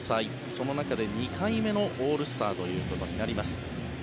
その中で２回目のオールスターということになります。